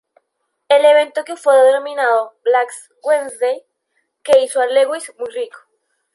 El evento que fue denominado Black Wednesday, que hizo a Lewis muy rico.